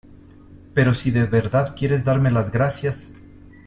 pero si de verdad quieres darme las gracias